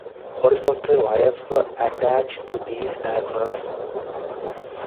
Horizontal wires were attached to these diagonals.